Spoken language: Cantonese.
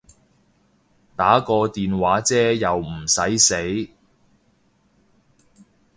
打個電話啫又唔駛死